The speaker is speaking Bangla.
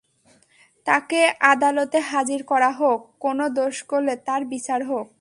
তাঁকে আদালতে হাজির করা হোক, কোনো দোষ করলে তাঁর বিচার হোক।